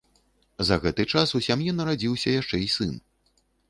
За гэты час у сям'і нарадзіўся яшчэ і сын.